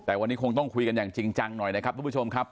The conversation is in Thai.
แต่วันนี้คงต้องคุยกันอย่างจริงจังหน่อยนะครับทุกผู้ชมครับ